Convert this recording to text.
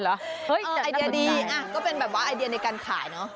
ไอเดียดีก็เป็นแบบว่าไอเดียในการขายเนอะ